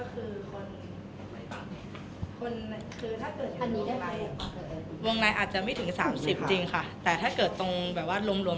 แสดงว่าเขาจะพอแน่นตมัดอย่างเงียบ